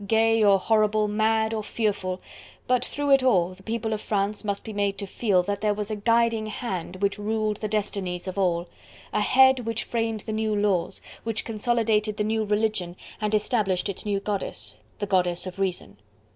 gay or horrible, mad or fearful, but through it all the people of France must be made to feel that there was a guiding hand which ruled the destinies of all, a head which framed the new laws, which consolidated the new religion and established its new goddess: the Goddess of Reason.